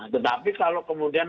tetapi kalau kemudian